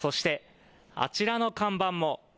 そして、あちらの看板も。